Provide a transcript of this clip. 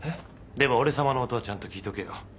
でも俺さまの音はちゃんと聴いておけよ。